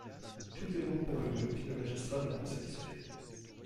Tout est donc pour le mieux, fit le magistrat d'un ton satisfait.